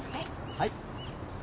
はい。